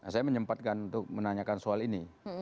saya menyempatkan untuk menanyakan soal ini